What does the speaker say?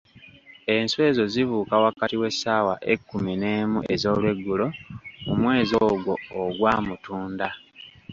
Enswa ezo zibuuka wakati w'essaawa ekkumu n'emu ez'olweggulo mu mwezi ogwo ogwa Mutunda.